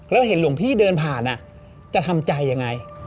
แล้วเห็นหลวงพี่เดินผ่านจะทำใจยังไง